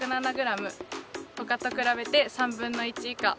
他と比べて３分の１以下。